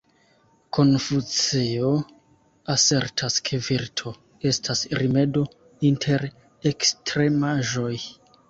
Konfuceo asertas ke virto estas rimedo inter ekstremaĵoj.